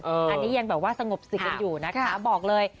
อันนี้ยังแบบว่าสงบสติกันอยู่นะคะบอกเลย